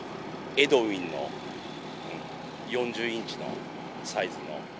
エドウィンの４０インチのサイズの。